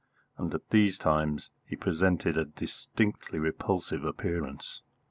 And at these times he presented a distinctly repulsive appearance.